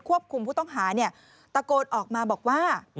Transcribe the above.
คุมผู้ต้องหาตะโกนออกมาบอกว่า